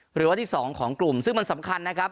หรือว่าที่๒ของกลุ่มซึ่งมันสำคัญนะครับ